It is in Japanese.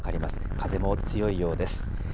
風も強いようです。